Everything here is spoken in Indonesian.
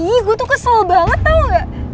ih gue tuh kesel banget tau gak